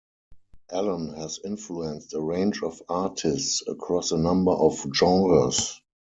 Allen has influenced a range of artists across a number of genres.